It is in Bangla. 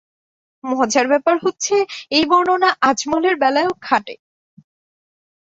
মজার ব্যাপার হচ্ছে, এই বর্ণনা আজমলের বেলায়ও খাটে।